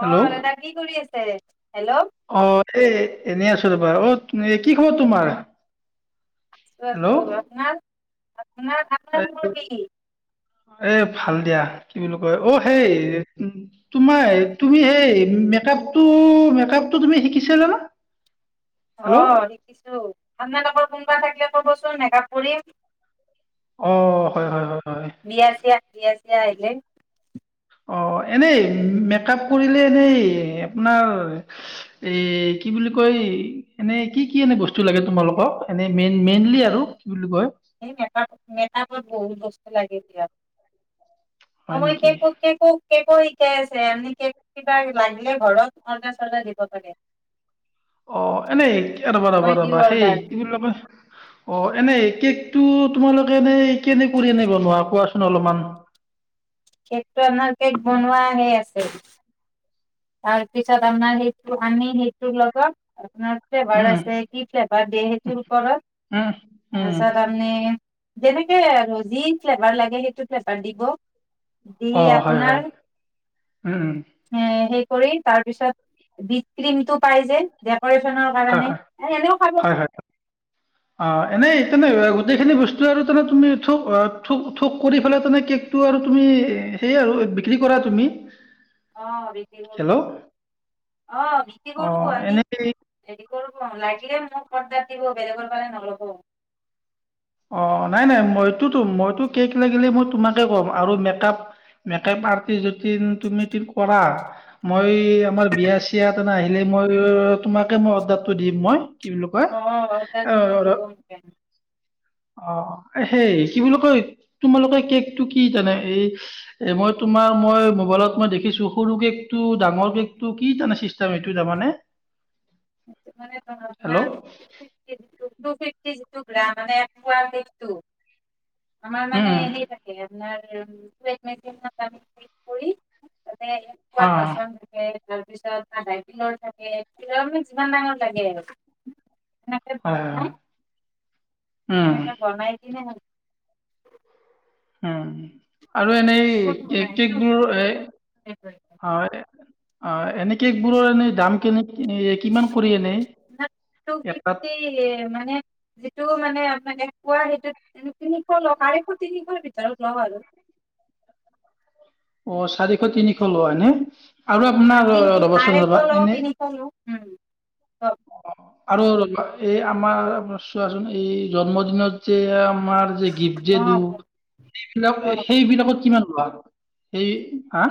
Hello অ' দাদা কি কৰি আছে? হেল্ল'। অ' এ এনেই আছো ৰবা অত কি খবৰ তোমাৰ? আছো হেল্ল' আছো আপোনাৰ। আপোন এ [unintelligible] এ ভাল দিয়া। কি বুলি কয় অ' সেই তোমাৰ তুমি সেই মেকআপ মেকআপটো তুমি শিকিছিলা ন? অ', শিকিছো আপনালোকৰ থাকিলে ক'বচোন মেকআপ কৰিম। অ', হয় হয় হয় হয়। বিয়া চিয়া [unintelligible] আহিলে। অ', এনেই মেকআপ কৰিলে এনেই আপোনাৰ এ কি বুলি কয়, এনে কি কি এনে বস্তু লাগে তোমালোকক, এনে মেইন মেইনলি আৰু কি বুলি কয় এই মেকআপত বহুত ব লাগে দিয় অ', হয় মই নেকি কেকো কেকো কেক শিকাই আছে [unintelligible] কিবা লাগিলে ঘৰত অৰ্ডাৰ চৰ্ডাৰ দিব পাৰে। অ', এনেই ৰবা মই ৰবা দিওঁ ৰবা সেই অৰ্ডাৰ কি বুলিবা অ' এনেই কে টো তোমালোকে নেই কেনেক কৰি এনে বনোৱা আ কোৱা অলপমান কেকটো আমাৰ, কেক বনোৱা সেই আছে তাৰপিছত আমাৰ সেইটো আনি সেইটোৰ লগত আপোনাৰ ফ্লেভাৰ উম আছে কি ফ্লেভাৰ দিয়ে সেইটোৰ ওপৰত, উম উম তাৰপিছত আপনি যেনেকে আৰু যি ফ্লেভাৰ লাগে সেইটো ফ্লেভাৰ দিব। দি অ হয় আপোনাৰ, হয় উম উম এ সেই কৰি তাৰপিছত বিজ ক্ৰিম টো পাই যে পৰিচনৰ হয় কাৰণে হয় এ এনেও খাব হয় হয় অ' এনেই তেনে গোটেইখিনি বস্তু আৰু তুমি থোক থ থোক কৰি পেলাই কেকটো আৰু তুমি সেই আৰু বিক্ৰী কৰা তুমি। অ' বিক্ৰী কৰো, হেল্ল' অ' বিক্ৰী অ কৰো আমি এনেই হেৰি কৰ লাই [unintelligible] মোক অৰ্দাৰ দিব বেলেগৰ পৰা নল'ব। অঁ নাই নাই মইটোতো মই টো কেক লাগিলে মই তোমাকে কম আৰু মেকআপ অৰ্তিজতিন তুমি ঠিক কৰা মই আমাৰ বিয়া চিয়াতে ন আহি লাগিলে মই তোমাকে মই অৰ্ডাৰটো দিম মই কি বুলি কয় অ দিব [unintelligible] অ' সেই কি বুলি কয় তোমালোকে কেকটো কি তেনে এই এ মই তোমাৰ মই মোবাইলত মই দেখি দেখিছো সৰু কেক টো ডাঙৰ কেক টো কি তানে চিষ্টেম এইটো তাৰ মানে মানপ [unintelligible] কৰা মানে একো আৰু একো [unintelligible] আমাৰ মানে অঁ সেই থাকে আপোনাৰ েি্ কৰি [unintelligible] তে হয় একুৱ আচন্দে [unintelligible] তাৰ পিছত আধাকিলোৰ থাকে কিলোৰ মানে কিমান ডাঙৰ লাগে আৰু এনেকে হয়। বনাই উম এনেকে বনাই দিলে হ'ল উম' আৰু এনেই ক'ত কেক বনাইছো কেকবোৰ এ হয় হয় এনে কেক বোৰৰ এনেই দাম কেনে কিমান কৰি এনেই টু এটাত টো মানে আুৱা সেই তিনিশ লও আঢ়ৈশ তিনিশ ভিতৰত লওঁ আৰু [unintelligible] অঁ চাৰিশ তিনিশ লোৱা হয়? অ তিনি আাৰেফলও তিনি ফলো উ [unintelligible] আৰু এই আমাৰ চোৱাচোন এই জন্মদিনত যে আমাৰ যে গিফ যে দু সেইবিলাকত কিমান লোৱা সেই হা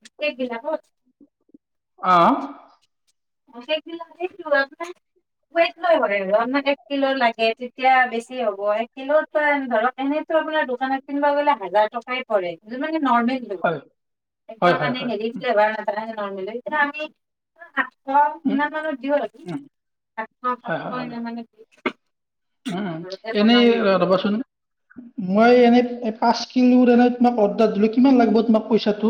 [unintelligible] দিলা হ'ল অহ [unintelligible] এক কিলো লাগে তেতিয়া বেছি হ'ব এক কিলো ধৰ এনেতো আপোনাৰ দোকানত কিনবা গ'লে হাজাৰ টকাই পৰে নৰমেলটো, হয় হয় একদম হয় মানে হয়। হেৰি ফ্লেভাৰ এতিয়া আমি সাতশ উম ইমান মানত দিওঁ আৰু উম সাতশ হয় সাতশ হয় হয় ইমান মানে উম উম ঘৰতে এনেই বনাওঁ যিহেতু ৰ'বাচোন মই এনেই পাঁচ [unintelligible] তোমাক অৰ্ডাৰ দিলো কিমান লাগব তোমাক পইচাটো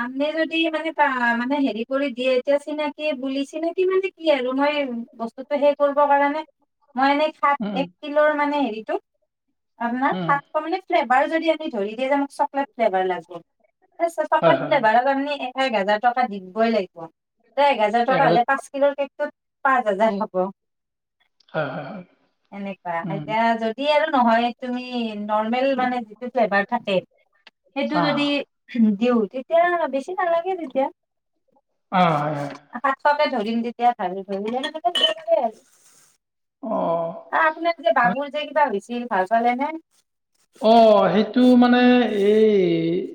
আনে যদি মানে তহ মানে হেৰি কৰি দিয়ে এতিয়া চিনাকি বুলি চিনাকি মানে কি আৰু মই বস্তুটো সেই কৰিব কাৰণে মই এনেই উম শাক এক কিলৰ মানে হেৰিটো আপোনাৰ উম সাতশ মানে [unintelligible] বাৰু যদি আমি ধৰি দিয়ে [unintelligible] ফ্লেভাৰ লাগব [unintelligible] হয় হয় হয় ফ্লেভাৰত আপনি এক হাজাৰ টকা দি দিবই লাগিব এক হাজাৰ টকা হ'লে পাঁচ কিলোৰ কেক পাঁচ হাজাৰ হ'ব হয় হয় হয় এনেকুৱা উম এতিয়া যদি ই আৰু নহয় তুমি নৰ্মেল মানে যিটো ফ্লেভাৰ থাকে সেইটো অ যদি দিওঁ তে তে আৰু বেছি নালাগে তেতিয়া অহ হয় হয় সাতশকে ধৰিম তেতিয়া ভাবি ভাবি [unintelligible] অ আপোনাৰ যে বাবুৰ যে কিবা হৈছিল ভাল পালে নে? অহ সেইটো মানে এই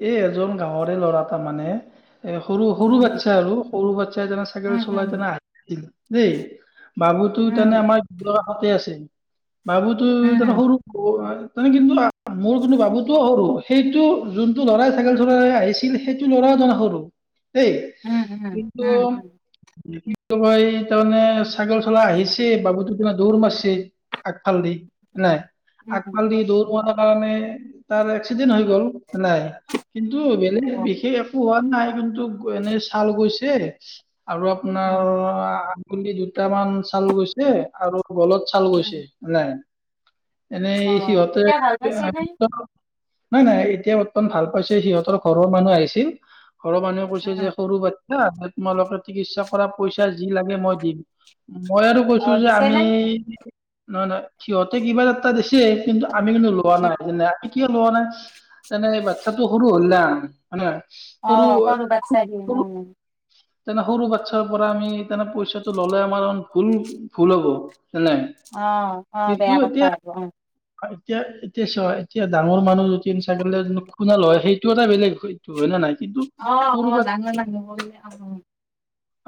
এই এজন গাঁৱৰে ল'ৰা তাৰমানে এহ সৰু সৰু উম, বাচ্ছা আৰু সৰু বাচ্ছাই জানা চাইকেল উম, চলাই উম, তেনে আছিল দেই বাবুতো তেনে উম, আমাৰ তাকে আছিল বাবুতো উম, তাৰমানে সৰু তানে কিন্তু আহ মোৰ কিন্তু বাবুটো সৰু সেইটো যোনটো ল'ৰাই চাইকেল চলাই আহিছিল সেইটো ল'ৰাটো তাৰমানে সৰু সেই উম, উম, কিন্তু উম, উম, তই তাৰমানে চাইকেল চলাই আহিছে বাবু তোক কি দৌৰ মাৰিছে আগফাল দি উম। নাই উম, আগফালদি উম, দৌৰ কাৰণে তাৰ এক্সিডেন্ট হৈ গল নাই কিন্তু বেলেগ অ', বিশেষ একো হোৱা নাই কিন্তু এনেই ছাল গৈছে আৰু উম, আপোনাৰ উম, কুলি দুটামান চাল গৈছে আৰু খুব অলপ চাল উম, গৈছে নাই এনে অ', সিহঁতে এতিয়া ভাল পাইছে নে? [inaudible] নাই নাই এতিয়া বৰ্তমান ভাল পাইছে সিহঁতৰ ঘৰৰ মানুহ আহিছিল ঘৰৰ মানুহে কৈছে উম, যে সৰু বা তোমালোকে চিকিৎসা কৰা পইচা যি লাগে মই দিম মই আৰু কৈছো অ', যে দিছে আমি নে? নাই নাই সিহঁতে কিবা এটা কিন্তু আমি কিন্তু কোৱা উম, নাই কিয় লোৱা নাই তেনে বাচ্ছাতটো সৰু হ'লা [unintelligible] অ সৰু বাচ চা দ সৰু উম তেনে সৰু বাচ্ছাৰ পৰা আমি তেনে পইচাটো ললে আমাৰ ভুল ভুল হ'ব নে অ অ বেয়া কথা আৰু অ এতিয়া এতিয়া চ এতিয়া ডাঙৰ মানুহ যদি ছাগলে খুণাল হয় সেইটো এটা বেলেগ সেইটো হয় নে নাই কিন্তু অ সৰু অ বা ডাঙৰ লাহি অ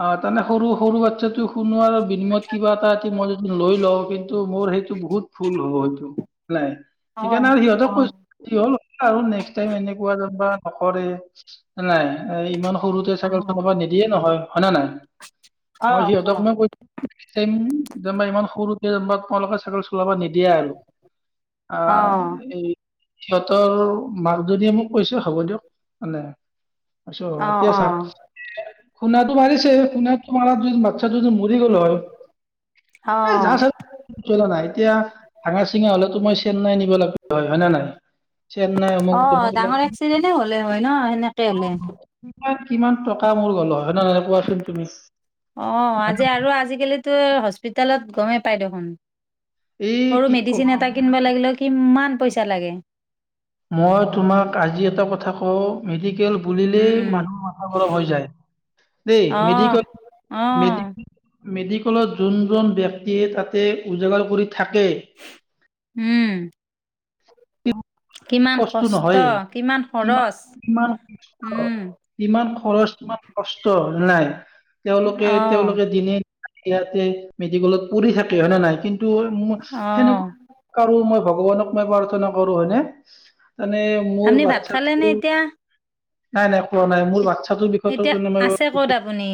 অ মানে সৰু সৰু বাচ্ছাটো শুনোৱাৰ বিনিময়ত কিবা এটা এ মই য লৈ লওঁ কিন্তু টো মোৰ সেইটো বহুত ফুল হ'ল ই অ', সেইকাৰণে অ'। আৰু সিহঁতক অ', কৈছো সহ আৰুক্ টাই এনেকুৱা নকৰে নাই ইমান সৰুতে অ', চাইকেল চলাব নিদিয়ে নহয় হয় ন নহয় মই সিহঁতক অ', মই কৈছো যা ইমান সৰু [inaudible] অঁ লগত চা [unintelligible] ল'ব নিদিয়ে আৰু, আ অ', এই সিহঁতৰ মাকজনীয়ে মোক কৈছে হ'ব দিয়ক মানে আছোঁ আৰু এতিয়া চাওক, খুনাটো মাৰিছে খুণাটো মাৰ দিন বাচ্ছাটো মৰি গ'ল হয়, অ', এই যা অ'। চ এতিয়ালে নাই এতিয়া ভাঙা চিঙা হ'লেতো মই চেন্নাই নিব লাগিব, হয় নে নাই। চেন্নাই অমুক অঁ তমুক এইবিলাক ডাঙৰ এক্সিডেণ্টে হ'লে হয় ন সেনেকে হ'লে। কিমান কিমান টকা মোৰ গ'ল হয় হয় নে নহয় কোৱাচোন তুমি অঁ হয় না? আজি আৰু আজিকালিতো হস্পিতেলত গমে পাই দেখোন। এই সৰু কি মেডিচিন কবা এটা কিনবা লাগিলেও কিমান পইচা লাগে। মই তোমাক আজি এটা কথা কওঁ, [unintelligible] মেডিকেল উম বুলিলেই উম মানুহৰ মাথা গৰম হৈ যায় দেই অ মেডিকল অ মেডিকেলত যোনজন ব্যক্তিয়ে তাতে উজাগাৰ কৰি থাকে উম। [unintelligible] কষ্ট নহয়েই, কিমান কিমান- উম কিমান খৰচ কিমান কষ্ট নাই, অ তেওঁলোকে-তেওঁলোকে দিনে ইয়াতে মেডিকেলত পঢ়ি থাকে হয় নে নাই কিন্ তু অ সেনেকুৱা কাৰো নহওঁক, ভগৱানক মই প্ৰাৰ্থনা কৰো হয়নে। [inaudible] মানে মোৰ আপুনি ভাত খালে নে বাচ্ছাটো এতিয়া নাই- নাই খোৱা নাই, মোৰ বাচ্ছাটোৰ বিষয়টো এতিয়া আছে ক'ত [unintelligible] মই আপুনি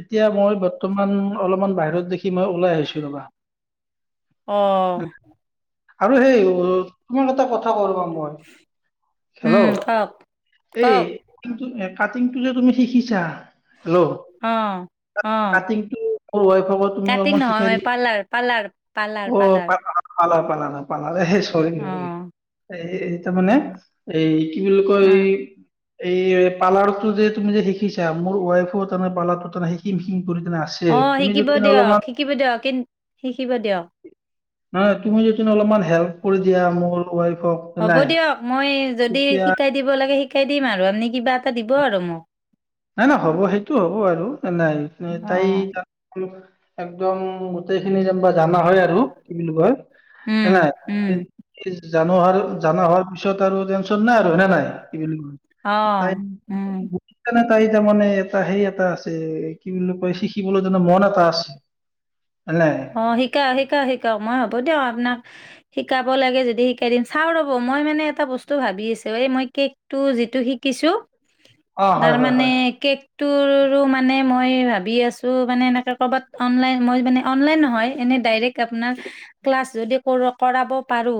এতিয়া মই বৰ্তমান অলপমান বাহিৰত দেখি খি মই ওলাই আহিছো ৰ'বা। অ আৰু সেই তোমাৰ এটা কথ থা ক'ব [unintelligible] উম হেল্ল', কওক এই কওক কিন্তু কাটিংটো যে তুমি শিকিছা হেল্ল', অ অ কাটিংটো মোৰ ৱাইফৰকো তুমি কাটিং অলপমান নহয় শিকাই মই দিব পাৰ্লাৰ পাৰ্লাৰ পাৰ্লাৰ অ পাৰ্লাৰ প ভাল প ন ম অ চৰি এই তাৰ মানে এই এই বুলি কয় অ এই পাৰ্লাৰ টো যে তুমি যে শিকিছা মোৰ ৱাইফো তানে পাৰ্লাৰ টো তে শিকিম শিম অ শিকিব দিয়ক শিকিব দিয়ক কি শিকিব দিয়ক নহ তুমি যদি অলপমান হেল্প কৰি দিয়া মোৰৱাই হ'ব দিয়ক মই যদি শিকাই দিব লাগে শিকাই দিম আৰু আপুনি কিবা এটা দিব আৰু মোক নাই নাই হ'ব সেইটো হ'ব আৰু নাই অ তাই তাত একদম গোটেইখিনি য জানা হয় আৰু কি বুলি কয় ন উম নাই উম জানো জা হোৱাৰ পিছত তাৰ োন নাই আৰু নেনে নাই অ উম তাই তাই তাৰ মানে এটা সেই এটা আছে কি বুলি কয় শিকিবলৈ যো মন এটা আছে হয়নে নাই? অ শিকা শিকা শিকা মই হব দিয় আপোনাক শিকাব লাগে যদি শিকাই দিম চাওঁ ৰ'ব মই মানে এটা বস্তু ভাবি আছোঁ এই মই কেকটো যিটো শিকিছোঁ অ হয় তাৰ হয় মানে হয় কেকটোৰ টো মানে মই ভাবি আছো মানে এনেকে কৰ'বাত অনলাইন মই মানে অনলাইন নহয় এনে ডাইৰে্ আপোনাৰ ক্লাছ যদি কৰাব পাৰো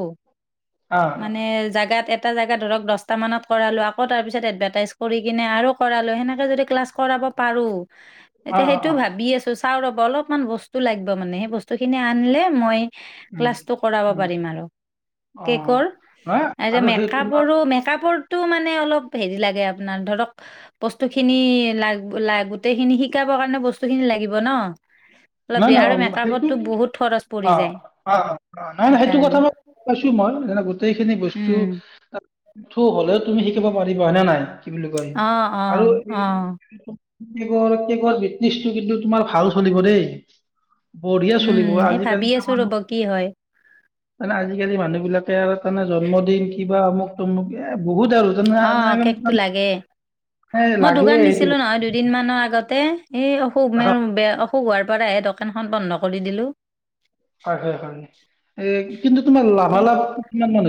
অ মানে জোগাত এটা এটা জেগা ধৰক দহটা মানত কৰালো আকৌ তাৰ পিছত এডভাৰটাইজ কৰি কিনে আৰু কৰালো সেনেকে যদি ক্লাছ কৰাব পাৰো অ অ এতিয়া সেইটো অ ভাবি আছো চা ৰ অলপমান বস্তু লাগিব মানে সেই বস্তু খিনি আনিলে মই উম ক্লাছটো কৰাব উম পাৰিম আৰু অ কেকৰ নহয় আৰু সেই তোমাৰ মেকপৰো মেকপৰ অ হ ল বসু খিনি লাগ ল গোটেই খিনি শিক শিকাব কাৰণে বস্তু খিনি লাগিব ন অলপ নাই দিয়ে নাই আৰু সেইটো মেকআপতটো বহুত খৰচ পৰি অ যায় অ অ নাই নাই সেইটো সেইকাৰণে কথা মইছো মই গোটেইখিনি বস্তু উম হলেও তুমি শিকিব মাৰিব হয়ে নাই কি বুলি কয় অ অ আৰু এই অ বিটো কিন্তু তোমাৰ ভাল চলিব দেই [inaudible] বঢ়িয়া চলিব উম, এই ভাবি আজিকালি তাৰ আছো মানে ৰ'ব কি হয়। মানে আজিকালি মানুহ বিলাকে আৰু তানে জন্মদিন কিবা অমুক তমুক বহুত আৰু অঁ কেকটো তাৰমানে লাগে মই লাগে দোকান সেইটো দিছিলোঁ নহয় দুদিনমানৰ আগতে এই অসু অহ, মে বেয়া শু হোৱাৰ পৰাহে দোকানখন বন্ধ কৰি দিলোঁ হয় হয় হয়, এ, কিন্তু তোমাৰ এতিয়া লাভালাভ কিমান মান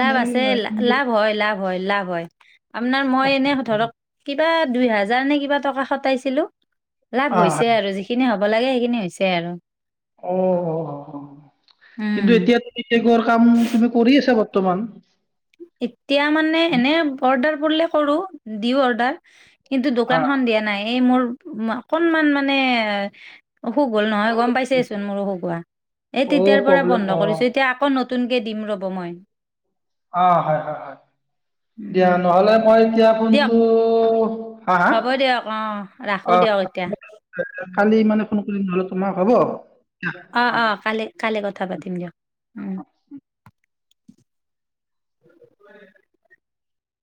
লাভ আছে লা- [inaudible] লাভ হয়, লাভ হয় লাভ হয় আপোনাৰ মই এনে ধৰক কিবা দুই হেজাৰ নে কিবা টকা সটাইছিলোঁ। লাভ হৈছে আৰু যিখিনি হ হব লাগে সেইখিনি হৈছে আৰু। অ অ অ অ উম, কিন্তু এতিয়া তুমি কেক ৰ কাম তুমি কৰি আছা ব বৰ্তমান এতিয়া মানে এনে অৰ্ডাৰ কৰিলে সৰু দিওঁ অৰ্ডাৰ কিন্তু অ দোকানখন দিয়া নাই এই মোৰ উ, অকনমান মানে অসুখ হ'ল নহয় গম পাইছেচোন মোৰ অসুখ হোৱা, এই অ' তেতিয়াৰ পৰা প্ৰব্লেম অ বন্ধ কৰিছো এতিয়া আকৌ ন নতুনকৈ দিম ৰ'ব মই। অ হয় হয় হয়। দিয়া উম, নহলে মই এতিয়া দিয়ক ফোনটো হা হা হ'ব দিয়ক অ ৰাখো অ, দিয়ক এতিয়া কালি মানে ফোন কৰিছিলো তোমাক হ'ব আঃ, আহ থা পাতিম দিয়ক উম [inaudible]